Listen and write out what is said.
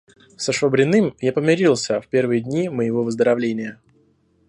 Со Швабриным я помирился в первые дни моего выздоровления.